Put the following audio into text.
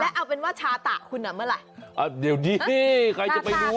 และเอาเป็นว่าชาตาคุณเมื่อไหร่เดี๋ยวนี้ใครจะไปรู้